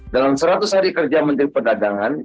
dalam seratus hari kerja menteri perdagangan